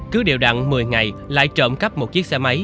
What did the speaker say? cứ điều đặn một mươi ngày lại trộm cắp một chiếc xe máy